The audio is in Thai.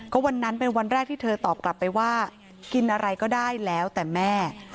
ก็วันนั้นเป็นวันแรกที่เธอตอบกลับไปว่ากินอะไรก็ได้แล้วแต่แม่